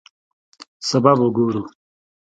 سبا به ګورو